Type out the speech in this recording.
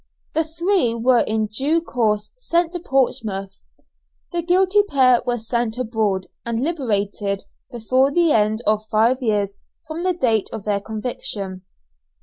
The three were in due course sent to Portsmouth. The guilty pair were sent abroad, and liberated before the end of five years from the date of their conviction.